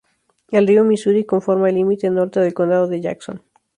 El río Misuri conforma el límite norte del Condado de Jackson.